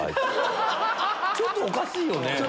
ちょっとおかしいよね？